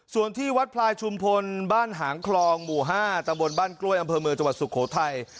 ส่วนที่วัดพลายชุมพลบ้านหางคลองหมู่๕ตำบลบ้านกล้วยอำเภอเมืองจังหวัดสุโขทัย